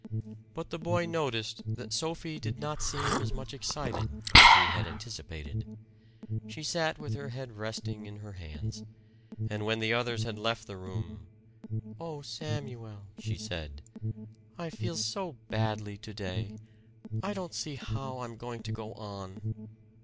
But the boy noticed that Sophie did not seem as much excited as he had anticipated. She sat with her head resting in her hands. And when the others had left the room "Oh, Samuel," she said. "I feel so badly to day! I don't see how I'm going to go on."